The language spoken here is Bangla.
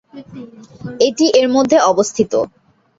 এটি এর মধ্যে অবস্থিত।